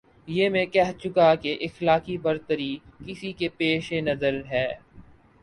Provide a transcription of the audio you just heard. یہ میں کہہ چکا کہ اخلاقی برتری کسی کے پیش نظر ہے۔